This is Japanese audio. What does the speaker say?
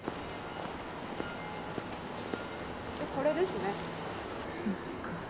これですね。